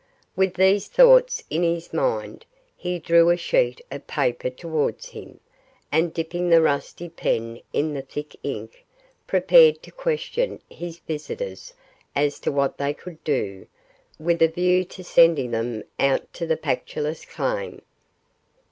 With these thoughts in his mind, he drew a sheet of paper towards him, and dipping the rusty pen in the thick ink, prepared to question his visitors as to what they could do, with a view to sending them out to the Pactolus claim.